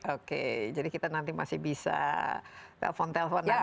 oke jadi kita nanti masih bisa telpon telpon lagi